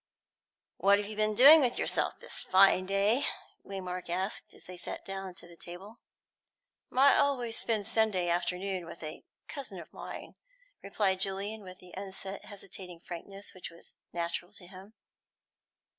"What have you' been doing with yourself this fine day?" Waymark asked, as they sat down to table. "I always spend Sunday afternoon with a cousin of mine," replied Julian, with the unhesitating frankness which was natural to him.